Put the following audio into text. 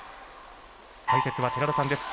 解説は寺田さんです。